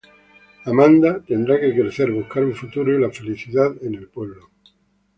Amanda tendrá que crecer, buscar un futuro y la felicidad en el pueblo.